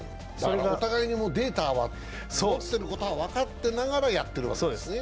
お互いにデータは持ってることは分かっていながよやってるわけですね。